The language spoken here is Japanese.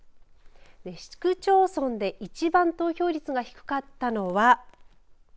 市区町村で一番投票率が低かったのは。